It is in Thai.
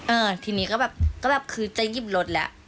เออทีนี้ก็แบบคือจะหยิบรถแหละ